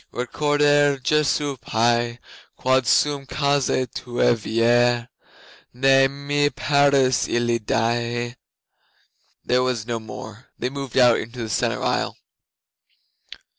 'Recordare Jesu pie, Quod sum causa Tuae viae, Ne me perdas illi die!' There was no more. They moved out into the centre aisle.